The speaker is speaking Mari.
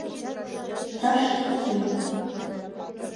Тышке теме.